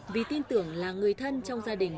vì tin tưởng là người thân trong gia đình